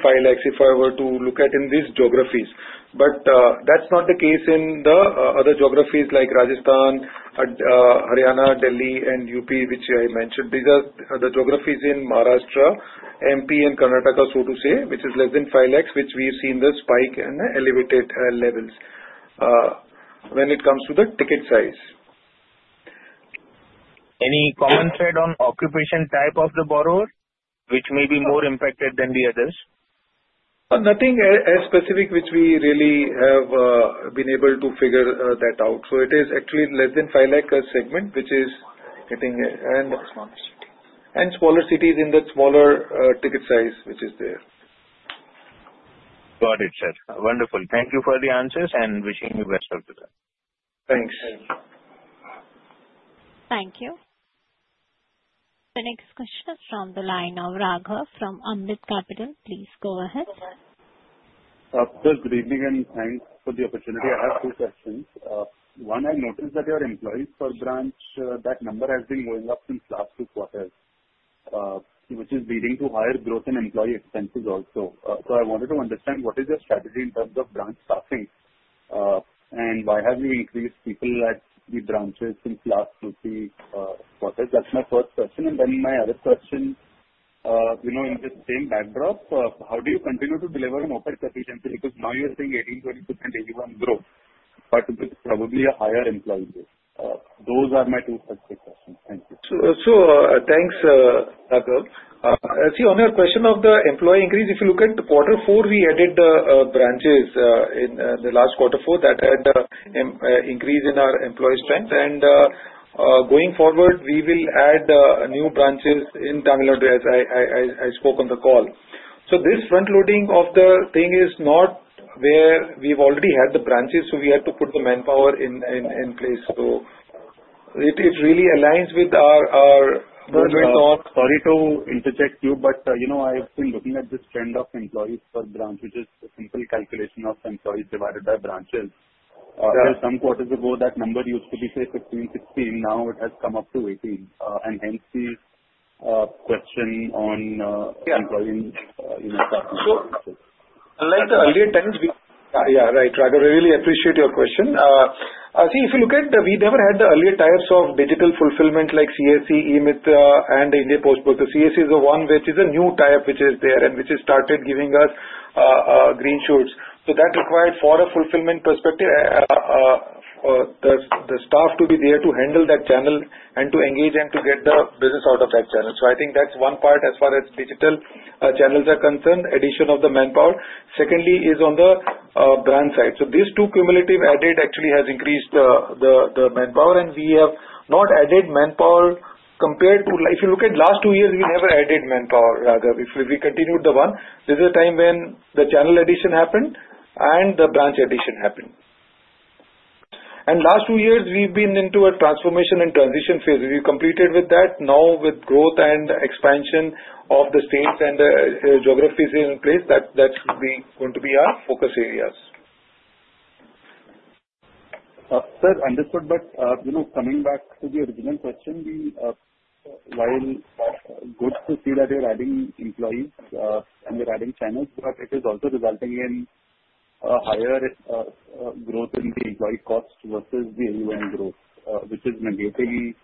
if I were to look at in these geographies. That's not the case in the other geographies like Rajasthan, Haryana, Delhi, and UP, which I mentioned. These are the geographies in Maharashtra, MP, and Karnataka, so to say, which is less than 500,000, which we've seen the spike in elevated levels when it comes to the ticket size. Any common thread on occupation type of the borrower, which may be more impacted than the others? Nothing as specific which we really have been able to figure that out. It is actually less than 500,000 per segment, which is getting in smaller cities in that smaller ticket size, which is there. Got it, sir. Wonderful. Thank you for the answers and wishing you best of the day. Thanks, Ansham. Thank you. The next question is from the line of Raghav from Ambit Capital. Please go ahead. Greetings and thanks for the opportunity. I have two questions. One, I noticed that your employees per branch, that number has been going up since the last two quarters, which is leading to higher growth in employee expenses also. I wanted to understand what is your strategy in terms of branch staffing and why have you increased people at the branches since the last few quarters? That's my first question. My other question, in the same backdrop, how do you continue to deliver on office efficiency? Because now you're saying 80%, 20% AUM growth, but with probably a higher employee base. Those are my two questions. Thank you. Sure. Thanks, Raghav. On your question of the employee increase, if you look at quarter four, we added the branches in the last quarter four that had an increase in our employee strength. Going forward, we will add new branches in Tamil Nadu as I spoke on the call. This front loading of the thing is not where we've already had the branches, so we had to put the manpower in place. It really aligns with our growth. Sorry to interject you, but you know I have been looking at this trend of employees per branch, which is a simple calculation of employees divided by branches. Some quarters ago, that number used to be, say, 15, 16. Now it has come up to 18. Hence the question on employee status. Unlike the earlier ten years, yeah, yeah, right, Raghav, I really appreciate your question. If you look at the, we never had the earlier types of digital fulfillment like CAC, E-Mitra, and the India Post Payments Bank. The CAC is the one which is a new type which is there and which has started giving us green shoots. That required, from a fulfillment perspective, the staff to be there to handle that channel and to engage and to get the business out of that channel. I think that's one part as far as digital channels are concerned, addition of the manpower. Secondly is on the branch side. These two cumulative added actually have increased the manpower, and we have not added manpower compared to, if you look at last two years, we never added manpower, Raghav. If we continued the one, this is the time when the channel addition happened and the branch addition happened. Last two years, we've been into a transformation and transition phase. We've completed with that. Now with growth and expansion of the states and the geographies in place, that's going to be our focus areas. Sir, understood. Coming back to the original question, while good to see that we're adding employees and we're adding channels, it is also resulting in a higher growth in the employee cost versus the AUM growth, which is basically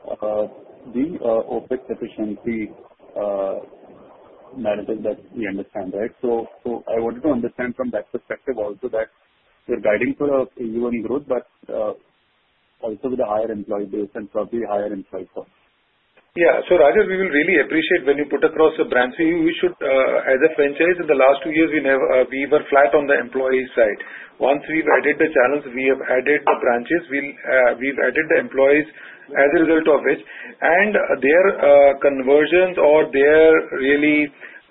the office efficiency management that we understand, right? I wanted to understand from that perspective also that we're guiding for AUM growth, but also with a higher employee base and probably higher employee cost. Yeah. Raghav, we will really appreciate when you put across the branch. As a franchise, in the last two years, we were flat on the employee side. Once we've added the channels, we have added the branches, we've added the employees as a result of which, their conversions or their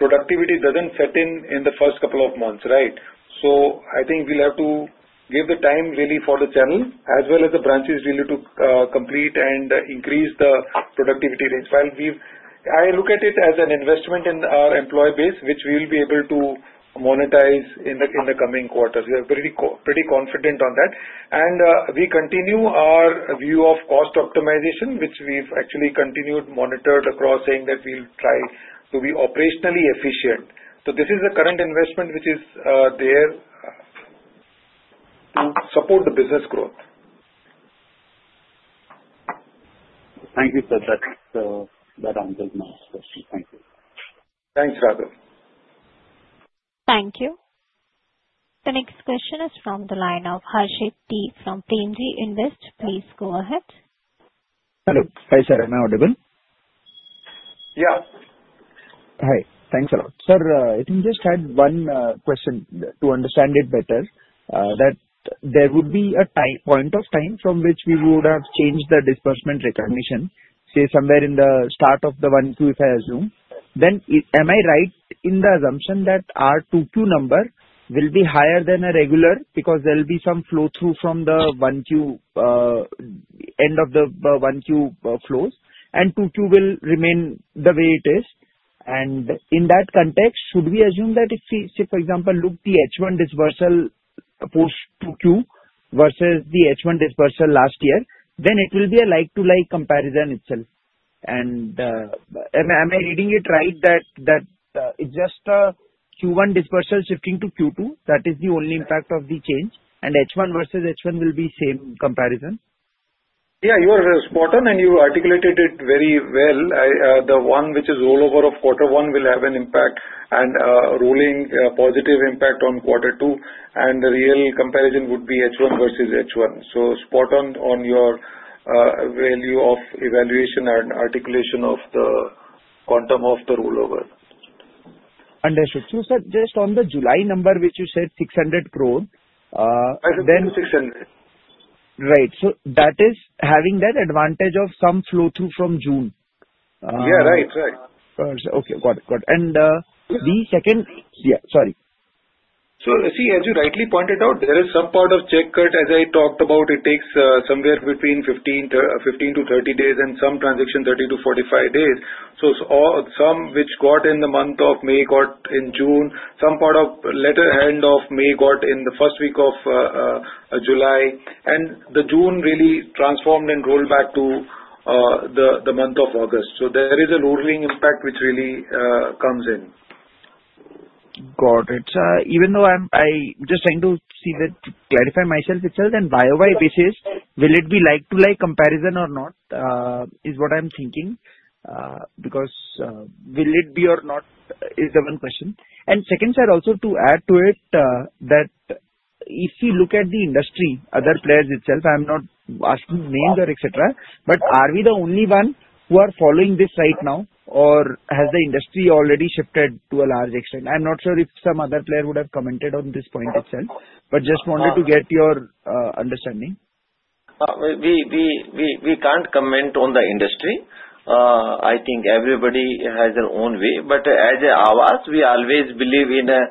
productivity doesn't set in in the first couple of months, right? I think we'll have to give the time for the channel as well as the branches to complete and increase the productivity rate. I look at it as an investment in our employee base, which we'll be able to monetize in the coming quarters. We are pretty confident on that. We continue our view of cost optimization, which we've actually continued to monitor across, saying that we'll try to be operationally efficient. This is the current investment which is there to support the business growth. Thank you for that answer, Sachinder Ji. Thank you. Thanks, Raghav. Thank you. The next question is from the line of Harshit T from Premji Invest. Please go ahead. Hello. Hi, sir. Am I audible? Yeah. Hi. Thanks a lot. Sir, I think I just had one question to understand it better, that there would be a point of time from which we would have changed the disbursement recognition, say somewhere in the start of the Q1 if I assume. Am I right in the assumption that our Q2 number will be higher than regular because there'll be some flow through from the Q1, end of the Q1 flows, and Q2 will remain the way it is? In that context, should we assume that if we, for example, look at the H1 disbursal post Q2 versus the H1 disbursal last year, then it will be a like-to-like comparison itself? Am I reading it right that it's just a Q1 disbursal shifting to Q2? That is the only impact of the change, and H1 versus H1 will be the same comparison? Yeah, you are spot on, and you articulated it very well. The one which is rollover of quarter one will have an impact and a rolling positive impact on quarter two, and the real comparison would be H1 versus H1. Spot on on your value of evaluation and articulation of the quantum of the rollover. I should say, sir, just on the July number, which you said 600 growth. I said 600. Right. That is having that advantage of some flow through from June. Right, right. Okay. Got it. The second, yeah, sorry. As you rightly pointed out, there is some part of check cut. As I talked about, it takes somewhere between 15-30 days and some transactions 30-45 days. Some which got in the month of May got in June. Some part of the latter end of May got in the first week of July. The June really transformed and rolled back to the month of August. There is a rolling impact which really comes in. Got it. I'm just trying to see that to clarify myself and why, which is, will it be like-to-like comparison or not is what I'm thinking because will it be or not is the one question. Second, sir, also to add to it, if you look at the industry, other players, I'm not asking names or et cetera, but are we the only one who are following this right now, or has the industry already shifted to a large extent? I'm not sure if some other player would have commented on this point, but just wanted to get your understanding. We can't comment on the industry. I think everybody has their own way. As Aavas, we always believe in a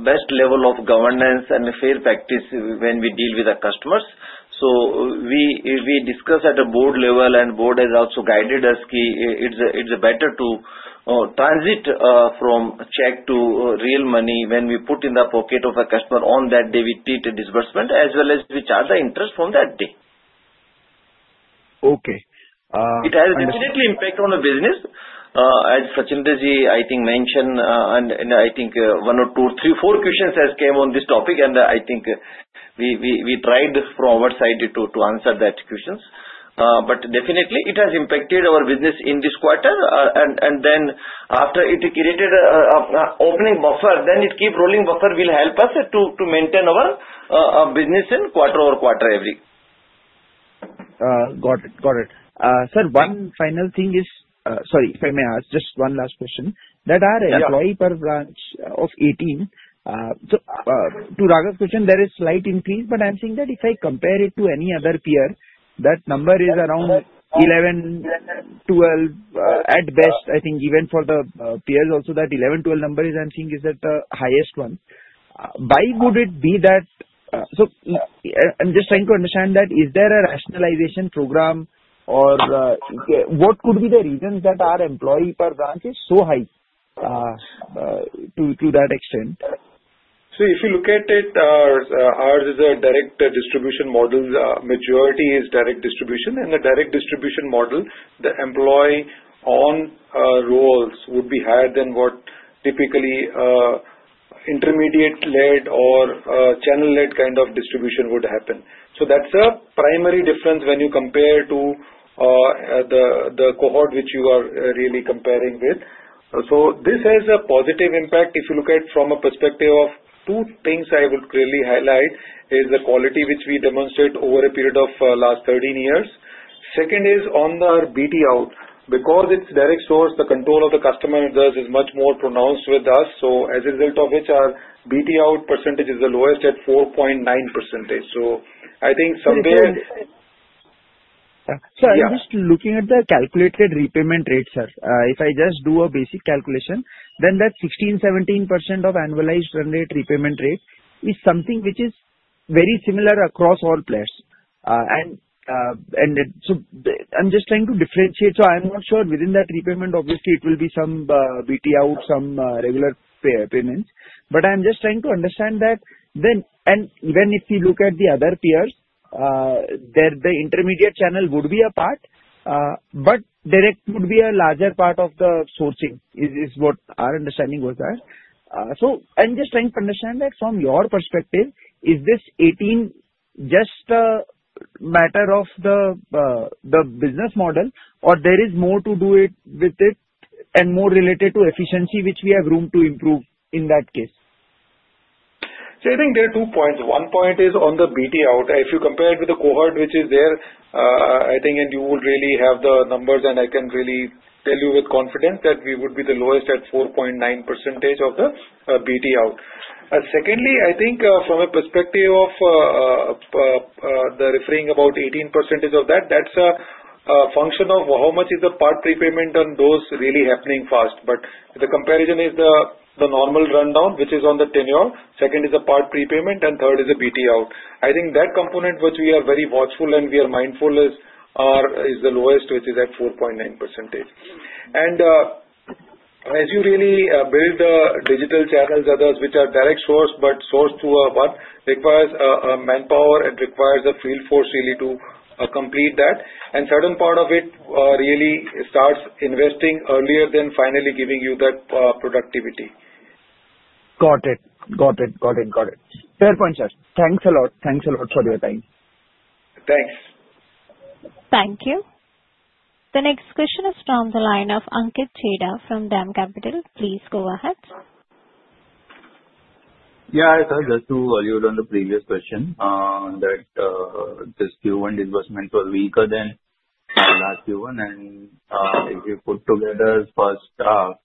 best level of governance and fair practice when we deal with our customers. We discuss at a board level, and the board has also guided us. It's better to transit from check to real money when we put in the pocket of a customer on that day we did the disbursement as well as we charge the interest from that day. Okay. It has an immediate impact on the business. As Sachinder Ji, I think, mentioned, and I think one or two, three, four questions have come on this topic, and I think we tried from our side to answer that question. It has impacted our business in this quarter. After it created an opening buffer, it keeps rolling buffer will help us to maintain our business in quarter over quarter every. Got it. Sir, one final thing, sorry, if I may ask, just one last question. That our employee per branch of 18, to Raghav's question, there is a slight increase, but I'm saying that if I compare it to any other peer, that number is around 11, 12 at best. I think even for the peers also, that 11, 12 number is, I'm saying, is that the highest one. Why would it be that? I'm just trying to understand, is there a rationalization program or what could be the reasons that our employee per branch is so high to that extent? If you look at it, ours is a direct distribution model. The majority is direct distribution. In the direct distribution model, the employee on roles would be higher than what typically intermediate-led or channel-led kind of distribution would happen. That's a primary difference when you compare to the cohort which you are really comparing with. This has a positive impact if you look at it from a perspective of two things I would really highlight: the quality which we demonstrate over a period of the last 13 years, and second is on our BT out. Because it's direct source, the control of the customer does is much more pronounced with us. As a result of which, our BT out percentage is the lowest at 4.9%. I think somewhere. Sir, I'm just looking at the calculated repayment rate, sir. If I just do a basic calculation, then that 16, 17% of annualized run rate repayment rate is something which is very similar across all players. I'm just trying to differentiate. I'm not sure within that repayment, obviously, it will be some BT out, some regular payments. I'm just trying to understand that, and even if you look at the other peers, the intermediate channel would be a part, but direct would be a larger part of the sourcing is what our understanding was there. I'm just trying to understand that from your perspective, is this 18 just a matter of the business model, or there is more to do with it and more related to efficiency which we have room to improve in that case? I think there are two points. One point is on the BT out. If you compare it with the cohort which is there, I think, and you would really have the numbers, and I can really tell you with confidence that we would be the lowest at 4.9% of the BT out. Secondly, from a perspective of the referring about 18% of that, that's a function of how much is the part prepayment and those really happening fast. The comparison is the normal rundown, which is on the tenure. Second is the part prepayment, and third is the BT out. That component, which we are very watchful and we are mindful of, is the lowest, which is at 4.9%. As you really build the digital channels, others which are direct source, but sourced to a what requires manpower and requires a field force really to complete that. Certain part of it really starts investing earlier than finally giving you that productivity. Got it. Fair point, sir. Thanks a lot for your time. Thanks. Thank you. The next question is from the line of Sanket Chheda from DAM Capital. Please go ahead. Yeah, I saw just two earlier on the previous question that this Q1 disbursement was weaker than last Q1. If you put together the first draft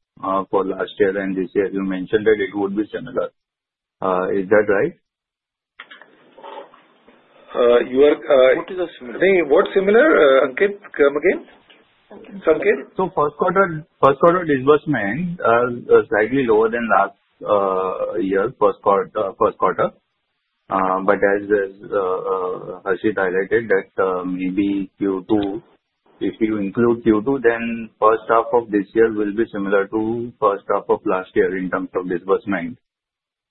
for last year and this year, you mentioned that it would be similar. Is that right? What is a similar? What's similar? Sanket, come again. First quarter disbursement is slightly lower than last year, first quarter. As Harshit highlighted, maybe if you include Q2, then first half of this year will be similar to first half of last year in terms of disbursement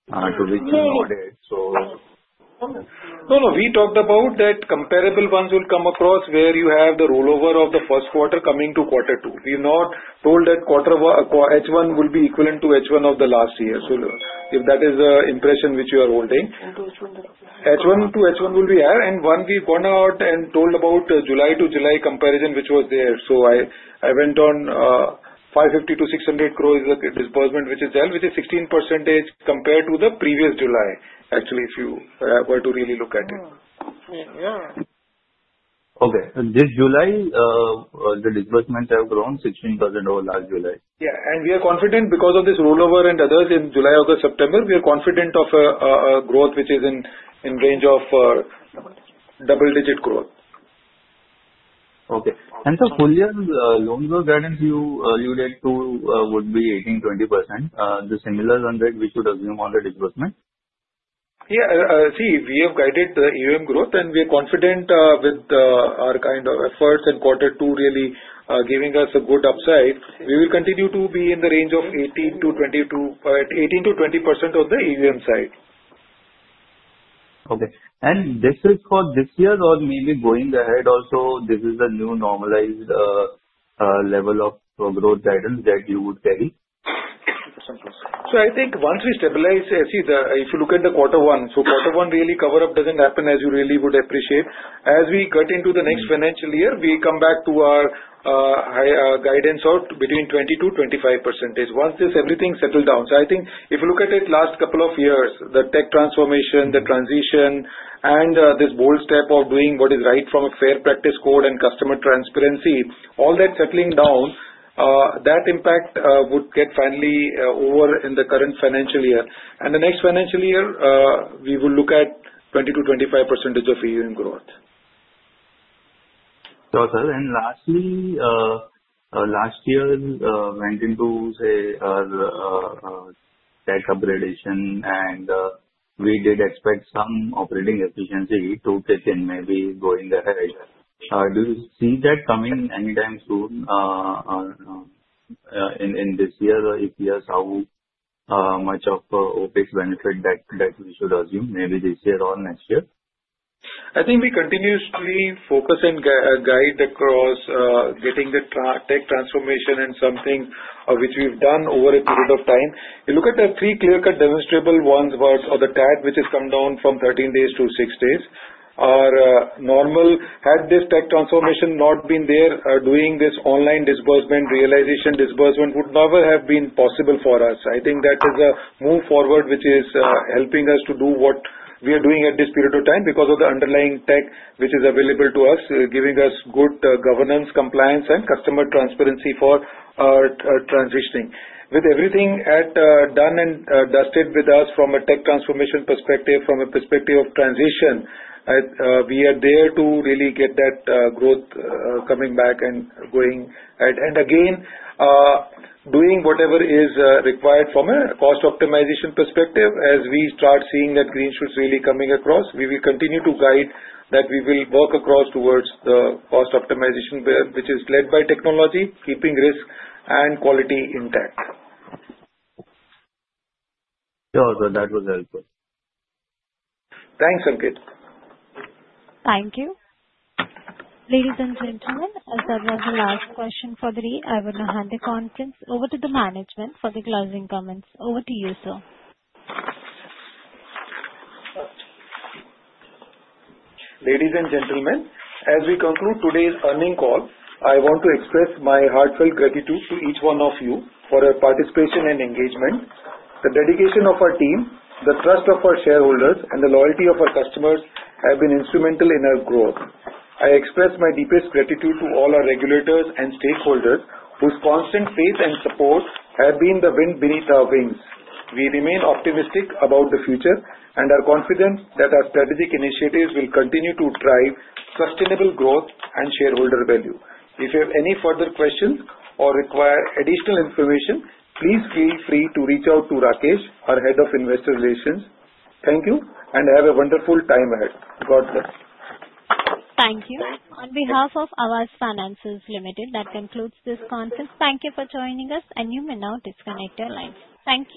to which we're aware. No, no, we talked about that comparable ones will come across where you have the rollover of the first quarter coming to quarter two. We've not told that H1 will be equivalent to H1 of the last year, if that is the impression which you are holding. H1 to H1 will be higher. We've gone out and told about the July to July comparison which was there. I went on 550- 600 crore disbursement which is held, which is 16% compared to the previous July, actually, if you were to really look at it. Yeah. Okay. This July, the disbursement has grown 16% over last July. We are confident because of this rollover and others in July, August, September. We are confident of a growth which is in the range of double-digit growth. Okay. The full-year loanable guidance you relate to would be 18%-20%. The similar on that, we should assume on the disbursement? Yeah. See, we have guided the AUM growth, and we are confident with our kind of efforts in quarter two really giving us a good upside. We will continue to be in the range of 18%-20% on the AUM side. Okay. Is this for this year or maybe going ahead also, is this the new normalized level of growth guidance that you would carry? I think once we stabilize, see, if you look at the quarter one, quarter one really cover-up doesn't happen as you really would appreciate. As we cut into the next financial year, we come back to our high guidance of between 20%-25% once this everything settles down. I think if you look at it last couple of years, the tech transformation, the transition, and this bold step of doing what is right from a fair practice code and customer transparency, all that settling down, that impact would get finally over in the current financial year. In the next financial year, we will look at 20%-25% of AUM growth. Got it. Lastly, last year went into, say, the tech upgradation, and we did expect some operating efficiency to kick in, maybe going ahead. Do you see that coming anytime soon in this year? If yes, how much of OpEx benefit that we should assume, maybe this year or next year? I think we continuously focus and guide across getting the tech transformation and something which we've done over a period of time. You look at the three clear-cut demonstrable ones where the TAT, which has come down from 13 days to 6 days, are normal. Had this tech transformation not been there, doing this online disbursement, realization disbursement would never have been possible for us. I think that is a move forward which is helping us to do what we are doing at this period of time because of the underlying tech which is available to us, giving us good governance, compliance, and customer transparency for our transitioning. With everything done and dusted with us from a tech transformation perspective, from a perspective of transition, we are there to really get that growth coming back and going ahead. We are doing whatever is required from a cost optimization perspective, as we start seeing that green shoots really coming across, we will continue to guide that. We will work across towards the cost optimization bill, which is led by technology, keeping risk and quality intact. Sure, that was helpful. Thanks, Ankit. Thank you. Ladies and gentlemen, as far as the last question for the read, I will now hand the contents over to the management for the closing comments. Over to you, sir. Ladies and gentlemen, as we conclude today's earnings call, I want to express my heartfelt gratitude to each one of you for your participation and engagement. The dedication of our team, the trust of our shareholders, and the loyalty of our customers have been instrumental in our growth. I express my deepest gratitude to all our regulators and stakeholders whose constant faith and support have been the wind beneath our wings. We remain optimistic about the future and are confident that our strategic initiatives will continue to drive sustainable growth and shareholder value. If you have any further questions or require additional information, please feel free to reach out to Rakesh, our Head of Investor Relations. Thank you and have a wonderful time ahead. God bless. Thank you. On behalf of Aavas Financiers Limited, that concludes this conference. Thank you for joining us, and you may now disconnect your lines. Thank you.